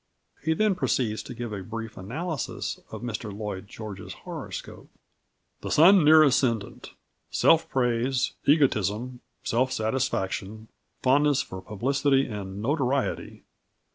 He then proceeds to give a "brief analysis" of Mr Lloyd George's horoscope: "The Sun near Ascendant self praise, egotism, self satisfaction, fondness for publicity and notoriety.